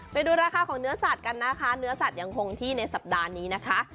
ไปดูราคาของเนื้อสัตวกันเนื้อสัตว์ที่ยังคงอยู่สัปดาห์นี้